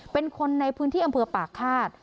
เป็นคนในพื้นที่อำเภอปากฆาต